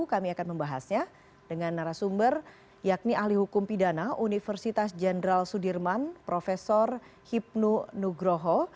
kami akan membahasnya dengan narasumber yakni ahli hukum pidana universitas jenderal sudirman prof hipnu nugroho